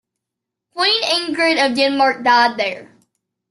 Queen Ingrid of Denmark died there.